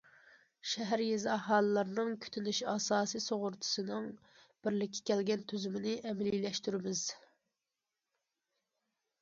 شەھەر، يېزا ئاھالىلىرىنىڭ كۈتۈنۈش ئاساسىي سۇغۇرتىسىنىڭ بىرلىككە كەلگەن تۈزۈمىنى ئەمەلىيلەشتۈرىمىز.